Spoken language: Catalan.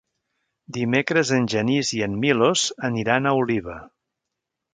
Dimecres en Genís i en Milos aniran a Oliva.